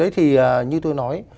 thì như tôi nói